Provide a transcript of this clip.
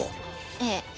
ええ。